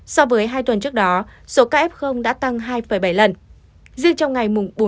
so với hai tuần trước đó số ca f đã được phát hiện trong khu phong tỏa